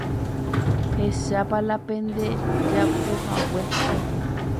Hechápa la pendejapuhague